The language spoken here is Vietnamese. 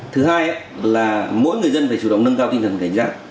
thứ hai là mỗi người dân phải chủ động nâng cao tinh thần cảnh giác